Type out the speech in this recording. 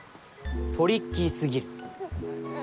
トリッキー過ぎる。